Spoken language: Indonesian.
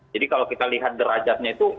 jadi kalau kita lihat derajatnya itu